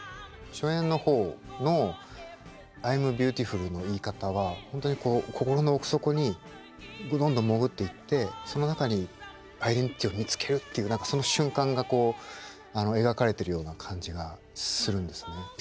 初演の方の「アイムビューティフル」の言い方は本当にこう心の奥底にどんどん潜っていってその中にアイデンティティーを見つけるっていうその瞬間がこう描かれてるような感じがするんですね。